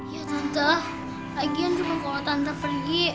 ya tante lagian cuma kalau tante pergi